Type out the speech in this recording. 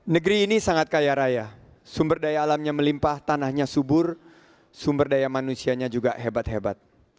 negeri ini sangat kaya raya sumber daya alamnya melimpah tanahnya subur sumber daya manusianya juga hebat hebat